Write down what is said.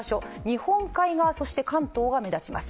日本海側、そして関東が目立ちます。